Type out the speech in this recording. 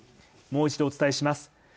もう一度お伝えします